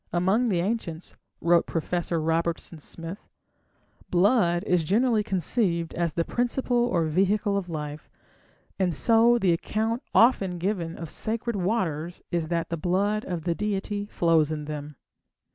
"Among the ancients", wrote Professor Robertson Smith, "blood is generally conceived as the principle or vehicle of life, and so the account often given of sacred waters is that the blood of the deity flows in them.